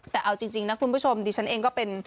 แต่เอาจริงนะคุณผู้ชมดิฉันเองก็เป็น